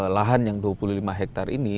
lahan yang dua puluh lima hektare ini